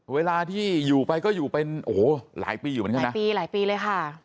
เวลาที่อยู่ไปก็อยู่เป็นโอ้โหหลายปีอยู่เหมือนกันนะปีหลายปีเลยค่ะ